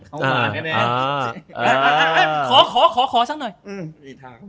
ซับปุ่นตัวเห็นกดลงน่ะ